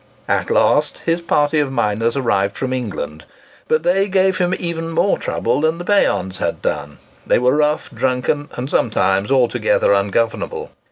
At last, his party of miners arrived from England, but they gave him even more trouble than the peons had done. They were rough, drunken, and sometimes altogether ungovernable.